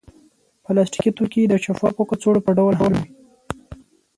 پلاستيکي توکي د شفافو کڅوړو په ډول هم وي.